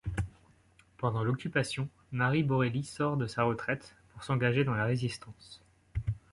Pendant l'Occupation, Marie Borrély sort de sa retraite pour s'engager dans la Résistance.